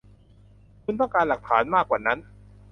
คุณต้องการหลักฐานมากว่านั้น